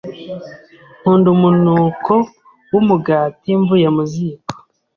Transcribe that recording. Nkunda umunuko wumugati mvuye mu ziko.